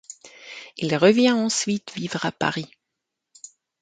Elle revient ensuite vivre à Paris.